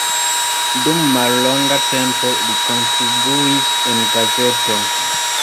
Dum mallonga tempo li kontribuis en gazeto.